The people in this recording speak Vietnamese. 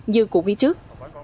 như của quý trước